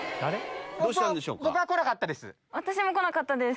僕は来なかったです。